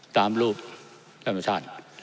ตามรูปกัมพุชาน